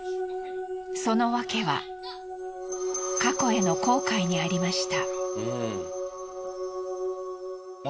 その訳は過去への後悔にありました。